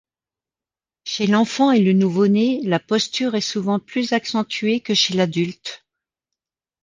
Chez l'enfant et le nouveau-né, la posture est souvent plus accentuée que chez l'adulte.